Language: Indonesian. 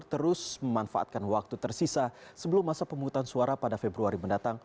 terus memanfaatkan waktu tersisa sebelum masa pemungutan suara pada februari mendatang